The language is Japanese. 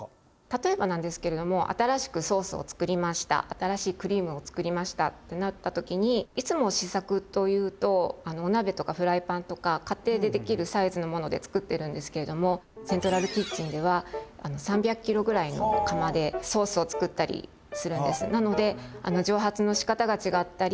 例えばなんですけれども新しくソースをつくりました新しいクリームをつくりましたってなった時にいつも試作というとお鍋とかフライパンとか家庭でできるサイズのものでつくってるんですけれどもセントラルキッチンでは３００ｋｇぐらいの釜でソースをつくったりするんです。